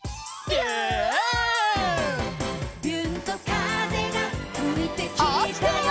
「びゅーんと風がふいてきたよ」